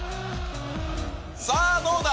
さあ、どうだ？